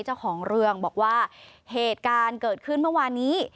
เจ้าของเรืองบอกว่าเหตุการณ์เกิดขึ้นเมื่อวานนี้